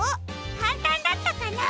かんたんだったかな？